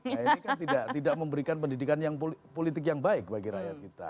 nah ini kan tidak memberikan pendidikan yang politik yang baik bagi rakyat kita